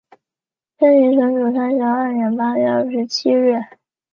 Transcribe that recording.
生于纯祖三十二年八月二十七日。